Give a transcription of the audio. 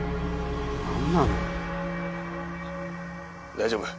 大丈夫？